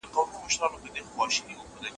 مهرباني وکړئ د پانګوني ارزښت درک کړئ.